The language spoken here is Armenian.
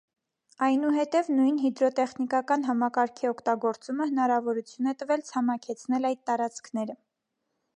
Այնուհետև նույն հիդրոտեխնիկական համակարգի օգտագործումը հնարավորություն է տվել ցամաքեցնել այդ տարածքները։